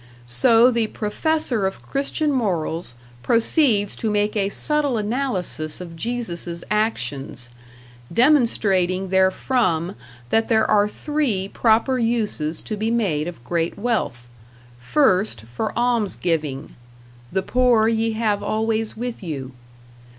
So the Professor of Christian Morals proceeds to make a subtle analysis of Jesus' actions; demonstrating therefrom that there are three proper uses to be made of great wealth: first, for almsgiving "The poor ye have always with you!"